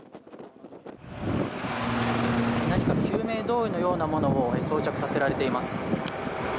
救命胴衣のようなものを装着させられています。